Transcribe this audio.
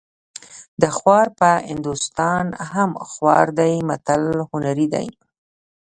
د خوار په هندوستان هم خوار دی متل هنري دی